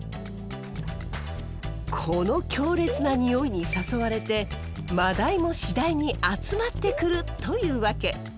この強烈なにおいに誘われてマダイも次第に集まってくるというわけ。